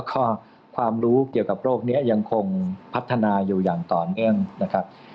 ความรู้เกี่ยวกับโรคนี้ยังคงพัฒนาอยู่อย่างต่อเนื่องนะครับ